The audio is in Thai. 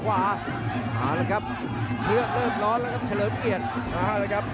พยายามจะเน็ตไว้ที่แข้งซายครับ